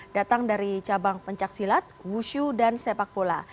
datang dari cabang pencaksilat wushu dan sepak bola